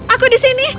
aku di sini